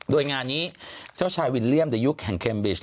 โดยงานนี้เจ้าชายวิลเลี่ยมในยุคแห่งเคมบิช